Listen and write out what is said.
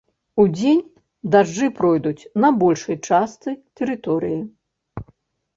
Удзень дажджы пройдуць на большай частцы тэрыторыі.